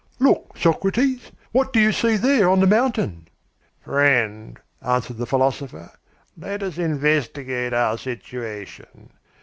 "Look, Socrates! What do you see there on the mountain?" "Friend," answered; the philosopher, "let us investigate our situation.